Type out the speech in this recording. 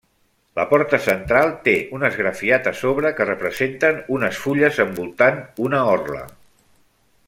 La porta central té un esgrafiat a sobre que representen unes fulles envoltant una orla.